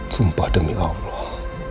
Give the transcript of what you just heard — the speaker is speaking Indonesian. sumpah demi allah